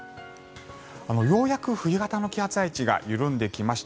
ようやく冬型の気圧配置が緩んできました。